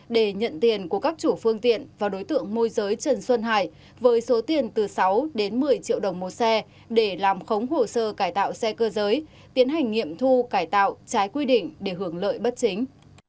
để nhận tiền của các chủ phương tiện và đối tượng môi giới trần xuân hải với số tiền từ sáu đến một mươi triệu đồng một xe để làm khống hồ sơ cải tạo xe cơ giới tiến hành nghiệm thu cải tạo trái quy định để hưởng lợi bất chính